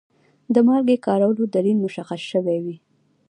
د مالګې د کارولو دلیل مشخص شوی وي.